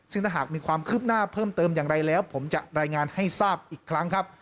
ซึ่งถ้าหากมีความคืบหน้าเพิ่มเติมอย่างไรแล้วผมจะรายงานให้ทราบอีกครั้งครับ